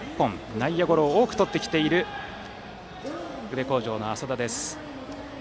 内野ゴロを多くとってきている宇部鴻城の淺田です。